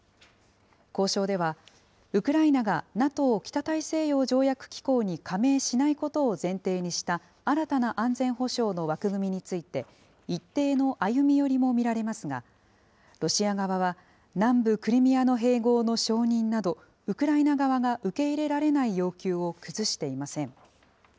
交渉では、ウクライナがＮＡＴＯ・北大西洋条約機構に加盟しないことを前提にした、新たな安全保障の枠組みについて、一定の歩み寄りも見られますが、ロシア側は南部クリミアの併合の承認など、ウクライナ側が受け入れられない要求を崩していません。